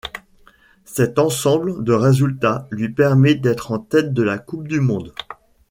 Cet ensemble de résultats lui permet d'être en tête de la coupe du monde.